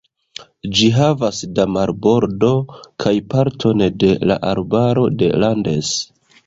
Ĝi havas da marbordo kaj parton de la arbaro de Landes.